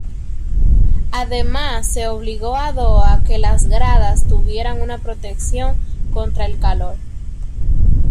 Además se obligó a Doha que las gradas tuvieran una protección contra el calor.